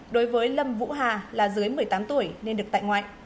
đối với lâm vũ hà là dưới một mươi tám tuổi nên được tại ngoại